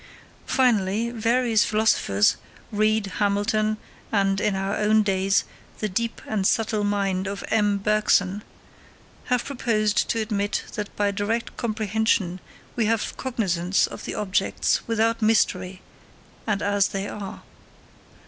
Finally, various philosophers, Reid, Hamilton, and, in our own days, the deep and subtle mind of M. Bergson, have proposed to admit that by direct comprehension we have cognisance of the objects without mystery and as they are.